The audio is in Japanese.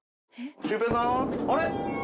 シュウペイさん。